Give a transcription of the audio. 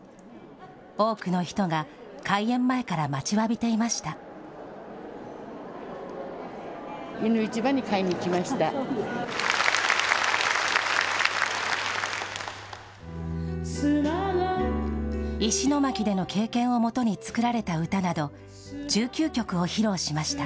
多くの人が開演前から待ちわびていました。